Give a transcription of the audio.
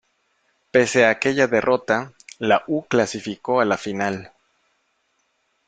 Pese a aquella derrota, la U clasificó a la final.